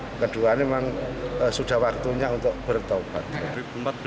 ini kedua memang sudah waktunya untuk bertobat